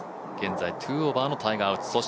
現在２オーバーのタイガー・ウッズ。